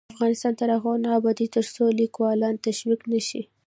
افغانستان تر هغو نه ابادیږي، ترڅو لیکوالان تشویق نشي.